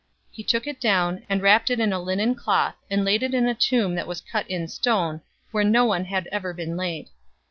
023:053 He took it down, and wrapped it in a linen cloth, and laid him in a tomb that was cut in stone, where no one had ever been laid.